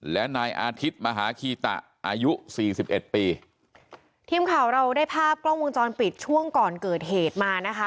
และนายอาทิตย์มหาคีตะอายุสี่สิบเอ็ดปีทีมข่าวเราได้ภาพกล้องวงจรปิดช่วงก่อนเกิดเหตุมานะคะ